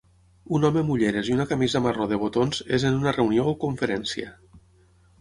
Un home amb ulleres i una camisa marró de botons és en una reunió o conferència.